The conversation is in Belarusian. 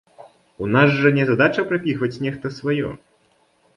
У нас жа не задача прапіхваць нехта сваё!